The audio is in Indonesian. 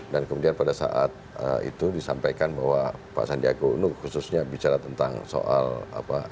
dan kemudian pada saat itu disampaikan bahwa pak sandiaga uno khususnya bicara tentang soal apa